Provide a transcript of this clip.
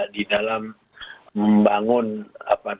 di dalam membangun perdamaian dunia